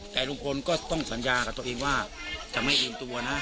แต่ลุงพลก็ต้องสัญญากับตัวเองว่าจะไม่เอ็นตัวนะ